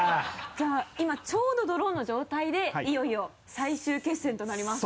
じゃあ今ちょうどドローの状態でいよいよ最終決戦となります。